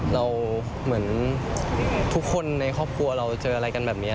เหมือนทุกคนในครอบครัวเราเจออะไรกันแบบนี้